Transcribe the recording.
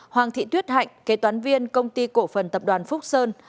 hoàng thị tuyết hạnh kế toán viên công ty cổ phần tập đoàn phúc sơn